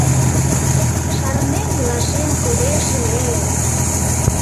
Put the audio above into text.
Шарнен илашем кодеш ыле!..